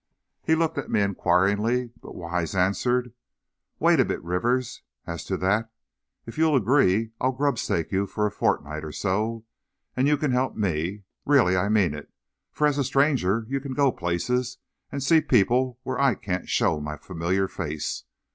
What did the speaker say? He looked at me inquiringly, but Wise answered. "Wait a bit, Rivers, as to that. If you'll agree, I'll grubstake you for a fortnight or so, and you can help me. Really, I mean it, for as a stranger you can go to places, and see people, where I can't show my familiar face.